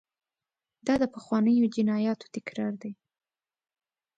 دا د پخوانیو جنایاتو تکرار دی.